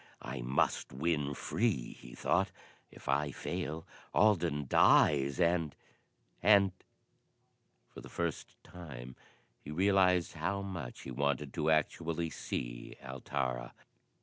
"I must win free," he thought. "If I fail, Alden dies, and and " For the first time he realised how much he wanted to actually see Altara.